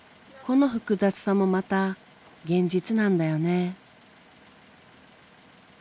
この複雑さもまた現実なんだよね。